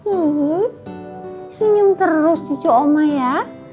ih senyum terus cucu oma ya